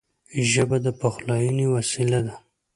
ژبه د پخلاینې وسیله ده